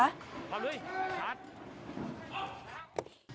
พร้อมเลยสัตว์